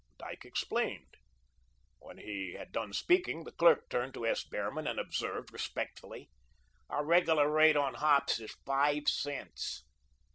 Dyke explained. When he had done speaking, the clerk turned to S. Behrman and observed, respectfully: "Our regular rate on hops is five cents."